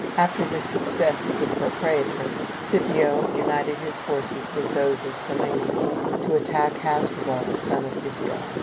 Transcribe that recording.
After this success of the proprætor, Scipio united his forces with those of Silanus to attack Hasdrubal, son of Gisco.